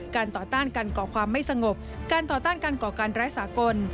ต่อต้านการก่อความไม่สงบการต่อต้านการก่อการร้ายสากล